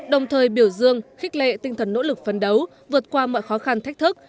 đồng thời biểu dương khích lệ tinh thần nỗ lực phấn đấu vượt qua mọi khó khăn thách thức